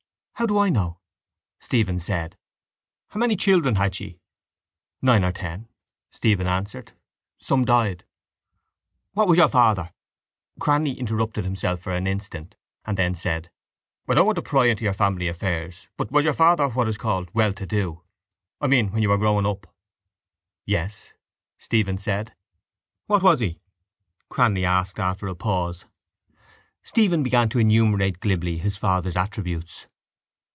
—How do I know? Stephen said. —How many children had she? —Nine or ten, Stephen answered. Some died. —Was your father.... Cranly interrupted himself for an instant, and then said: I don't want to pry into your family affairs. But was your father what is called well to do? I mean, when you were growing up? —Yes, Stephen said. —What was he? Cranly asked after a pause. Stephen began to enumerate glibly his father's attributes.